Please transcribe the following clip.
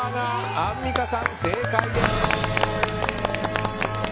アンミカさん、正解です！